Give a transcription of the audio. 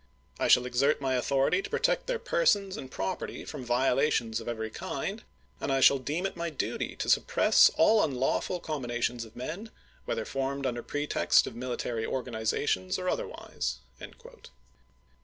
I shall exert my authority to protect their persons and property from vio Pro^^nTar latious of cvcry kind, and I shall deem it my duty to ^u^'i^h'^ suppress aU unlawfid combinations of men, whether ni ^' ^37i' f^^'^^^ under pretext of military organizations, or other "372." ' wise.